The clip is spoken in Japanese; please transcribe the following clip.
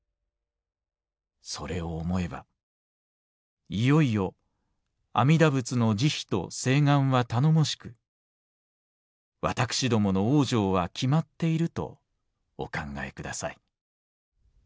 それを思えばいよいよ阿弥陀仏の慈悲と誓願は頼もしく私どもの往生は決まっているとお考え下さい」。